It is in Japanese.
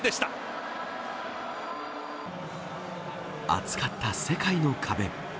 厚かった世界の壁。